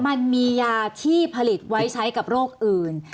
มันมียาที่ผลิตไว้ใช้กับโรคอื่น